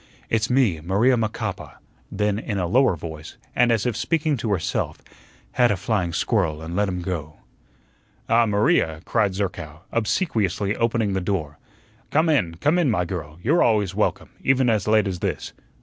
"It's me, Maria Macapa;" then in a lower voice, and as if speaking to herself, "had a flying squirrel an' let him go." "Ah, Maria," cried Zerkow, obsequiously opening the door. "Come in, come in, my girl; you're always welcome, even as late as this.